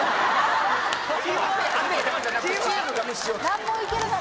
難問いけるなら。